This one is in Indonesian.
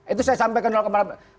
itu saya sampai ke delapan persen